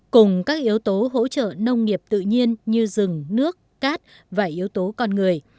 cùng các yếu tố hỗ trợ nông nghiệp tự nhiên như rừng nước cát và yếu tố con người